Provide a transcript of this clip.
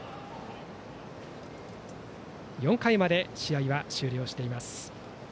４回まで試合は終了しています。